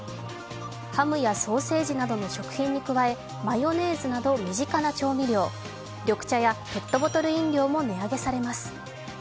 ハムやソーセージなどの食品に加え、マヨネーズなど身近な調味料緑茶やペットボトル飲料なども値上げされます。